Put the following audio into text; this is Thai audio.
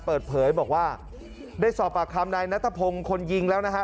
เปิดเผยบอกว่าได้สอบปากคำนายนัทพงศ์คนยิงแล้วนะฮะ